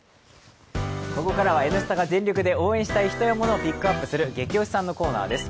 ここからは「Ｎスタ」が全力で応援したい人やものをピックアップする「ゲキ推しさん」のコーナーです。